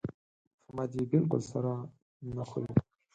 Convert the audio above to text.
احمد يې بالکل سړه نه خوري.